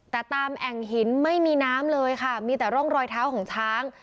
แต่ตามแอ่งหินไม่มีน้ำเลยค่ะมีแต่ร่องรอยเท้าของช้าง